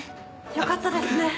よかったですね。